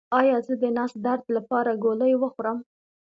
ایا زه د نس درد لپاره ګولۍ وخورم؟